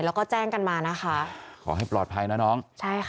แล้วก็แจ้งกันมานะคะขอให้ปลอดภัยนะน้องใช่ค่ะ